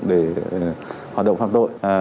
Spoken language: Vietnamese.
để hoạt động phạm tội